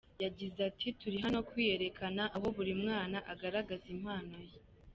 Yagize ati: “Turi hano kwiyerekana aho buri mwana agaragaza impano ye.